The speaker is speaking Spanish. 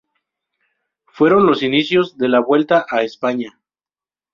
Fueron los inicios de la Vuelta a España.